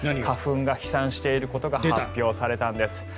花粉が飛散していることが発表されたんです。